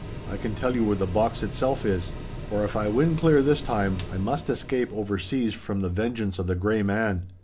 I can tell you where the box itself is. For if I win clear this time, I must escape over seas from the vengeance of the Grey Man.